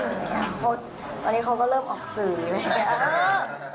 เพราะตอนนี้เขาก็เริ่มออกสื่ออะไรอย่างนี้